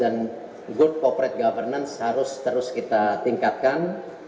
dan good corporate governance harus terus kita tingkatkan